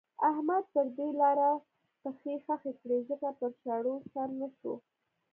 احمد پر دې لاره پښې خښې کړې ځکه پر شاړو سر نه شو.